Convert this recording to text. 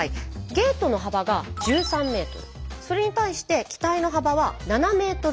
ゲートの幅が１３ｍそれに対して機体の幅は７ｍほどです。